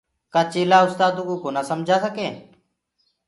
ڪآ چيلآ اُستآدو ڪو ڪونآ سمجآ سگي